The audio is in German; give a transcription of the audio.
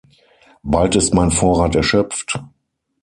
Bald ist mein Vorrat erschöpft.